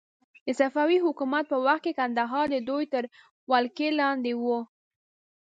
د صفوي حکومت په وخت کې کندهار د دوی تر ولکې لاندې و.